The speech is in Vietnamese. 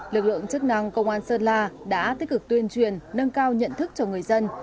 lực lượng chức năng công an sơn la đã tích cực tuyên truyền nâng cao nhận thức cho người dân